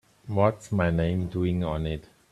What's my name doing on it?